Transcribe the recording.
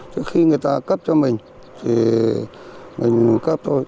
chứ khi người ta cấp cho mình thì mình cấp thôi